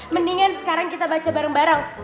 mendingan sekarang kita baca bareng bareng